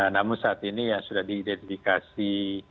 namun saat ini yang sudah diidentifikasi